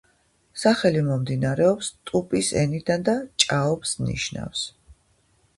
სახელი მომდინარეობს ტუპის ენიდან და „ჭაობს“ ნიშნავს.